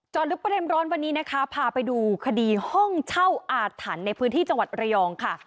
ลึกประเด็นร้อนวันนี้นะคะพาไปดูคดีห้องเช่าอาถรรพ์ในพื้นที่จังหวัดระยองค่ะ